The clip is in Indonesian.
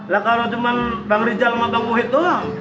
lah kalo cuma pak rijal sama pak muhyid doang